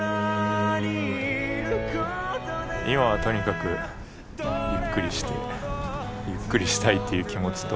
今はとにかくゆっくりしてゆっくりしたいという気持ちと。